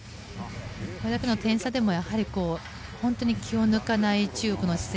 これだけの点差でも気を抜かない中国の姿勢